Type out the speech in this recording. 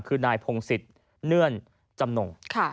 คือนายพงศิษย์เนื่อนจำนง